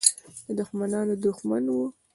د دښمنانو دښمن وو.